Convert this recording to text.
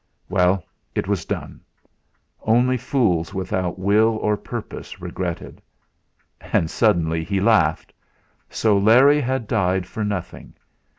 Well, it was done! Only fools without will or purpose regretted. And suddenly he laughed. So Larry had died for nothing!